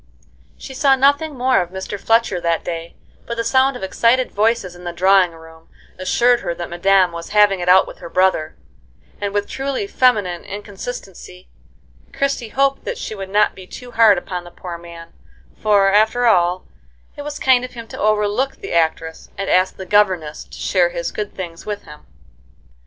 She saw nothing more of Mr. Fletcher that day, but the sound of excited voices in the drawing room assured her that madame was having it out with her brother; and with truly feminine inconsistency Christie hoped that she would not be too hard upon the poor man, for, after all, it was kind of him to overlook the actress, and ask the governess to share his good things with him.